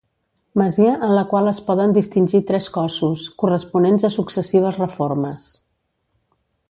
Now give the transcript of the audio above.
Masia en la qual es poden distingir tres cossos, corresponents a successives reformes.